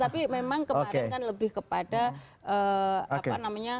tapi memang kemarin kan lebih kepada